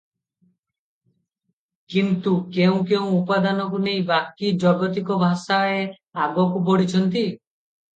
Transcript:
କିନ୍ତୁ କେଉଁ କେଉଁ ଉପାଦାନକୁ ନେଇ ବାକି ଜାଗତିକ ଭାଷାଏ ଆଗକୁ ବଢ଼ିଛନ୍ତି?